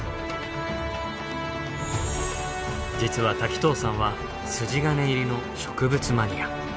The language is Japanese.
実は滝藤さんは筋金入りの植物マニア。